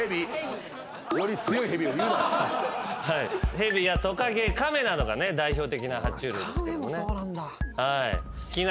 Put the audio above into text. ヘビやトカゲカメなどが代表的な爬虫類ですけどね。